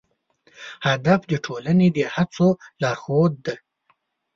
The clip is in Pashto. هدف د ټولنې د هڅو لارښود دی.